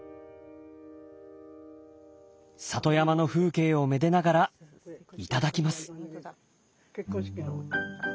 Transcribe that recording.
里山の風景をめでながらいただきます。